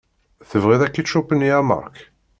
Tebɣiḍ akičup-nni a Marc?